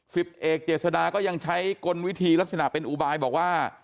สิบเอกเจษดาก็ยังใช้กลวิธีลักษณะเป็นอุบายบอกว่า